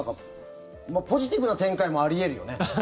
ポジティブな展開もあり得るよね。